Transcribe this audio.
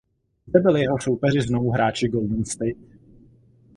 Zde byli jeho soupeři znovu hráči Golden State.